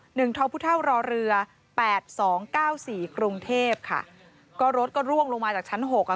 ท้อพุเท่ารอเรือแปดสองเก้าสี่กรุงเทพค่ะก็รถก็ร่วงลงมาจากชั้นหกอ่ะ